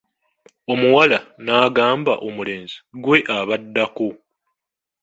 Omuwala n'agamba omulenzi, gwe ab'addako.